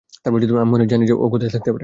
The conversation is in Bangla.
আমি মনে হয় জানি যে, ও কোথায় থাকতে পারে।